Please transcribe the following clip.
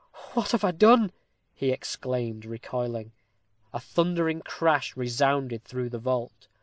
"What have I done?" he exclaimed, recoiling. A thundering crash resounded through the vault.